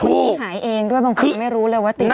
ไม่บินหายเองบ้างคือไม่รู้เลยว่าทำไง